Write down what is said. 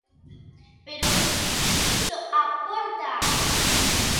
Pero, mire, ¿iso aporta algo?